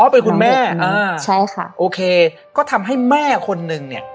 เป็นคุณแม่อ่าใช่ค่ะโอเคก็ทำให้แม่คนนึงเนี่ย